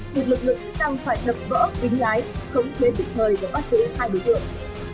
thì lực lượng chức năng phải thật vỡ đính lái khống chế tịnh thời và bắt giữ hai đối tượng